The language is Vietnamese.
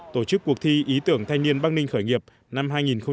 tổ chức cuộc thi ý tưởng thanh niên bắc ninh khởi nghiệp năm hai nghìn một mươi tám